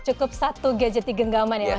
cukup satu gadget di genggaman ya mas